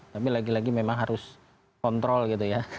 tapi lagi lagi memang harus kontrol gitu ya